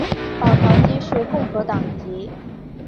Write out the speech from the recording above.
保陶基是共和党籍。